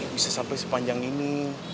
bisa sampai sepanjang ini